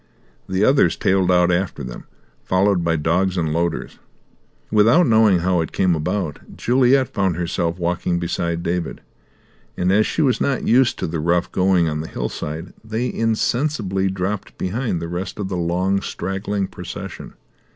The others tailed out after them, followed by dogs and loaders. Without knowing how it came about, Juliet found herself walking beside David; and, as she was not used to the rough going on the hillside, they insensibly dropped behind the rest of the long, straggling procession.